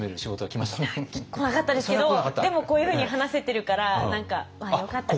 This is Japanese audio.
来なかったですけどでもこういうふうに話せてるからまあよかったかなと。